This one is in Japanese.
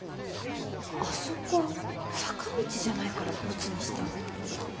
「あそこ」「坂道」じゃないからボツにしたんだ。